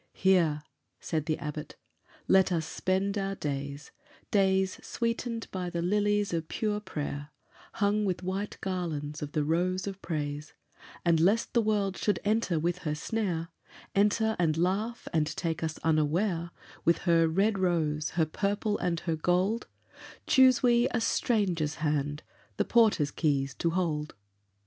"Here," said the Abbot, "let us spend our days, Days sweetened by the lilies of pure prayer, Hung with white garlands of the rose of praise; And, lest the World should enter with her snare Enter and laugh and take us unaware With her red rose, her purple and her gold Choose we a stranger's hand the porter's keys to hold."